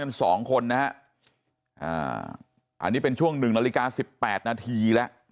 กันสองคนนะอ่านนี้เป็นช่วงหนึ่งนาฬิกาสิบแปดนาที